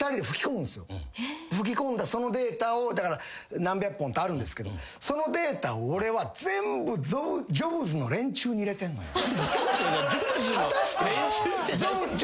吹き込んだそのデータを何百本とあるんですけどそのデータを俺は全部ジョブズの連中に入れてんのよ。